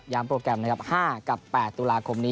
ยามโปรแกรม๕กับ๘ตุลาคม